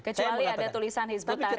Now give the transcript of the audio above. kecuali ada tulisan hizbut tahri